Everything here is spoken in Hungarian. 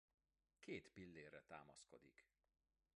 Két pillérre támaszkodik.